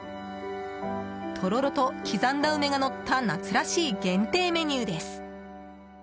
とろろと、刻んだ梅がのった夏らしい限定メニューです。